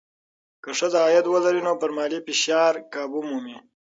که ښځه عاید ولري، نو پر مالي فشار قابو مومي.